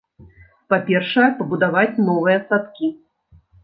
Па-першае, пабудаваць новыя садкі.